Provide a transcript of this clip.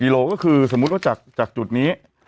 โลก็คือสมมุติว่าจากจุดนี้